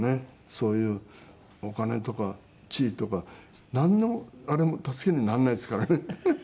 そういうお金とか地位とかなんの助けにならないですからね。ハハハ。